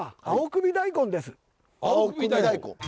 青首大根。